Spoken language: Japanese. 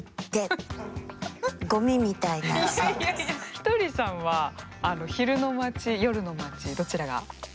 ひとりさんは昼の街夜の街どちらが？